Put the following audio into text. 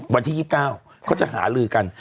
วันที่๒๙เขาจะหาลือกัน